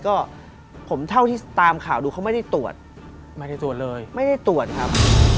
ก็ผมเท่าที่ตามข่าวดูเขาไม่ได้ตรวจไม่ได้ตรวจเลยไม่ได้ตรวจครับ